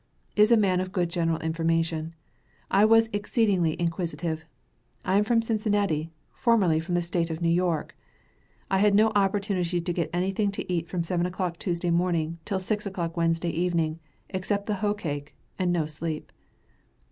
Is a man of good general information; he was exceedingly inquisitive. "I am from Cincinnati, formerly from the State of New York." I had no opportunity to get anything to eat from seven o'clock Tuesday morning till six o'clock Wednesday evening, except the hoe cake, and no sleep.